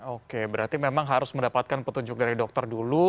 oke berarti memang harus mendapatkan petunjuk dari dokter dulu